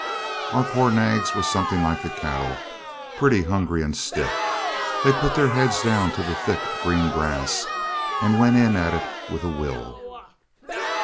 Our poor nags were something like the cattle, pretty hungry and stiff. They put their heads down to the thick green grass, and went in at it with a will.